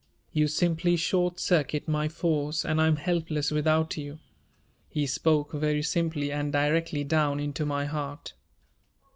You simply short circuit my force and I am helpless without you." He spoke very simply and directly down into my heart.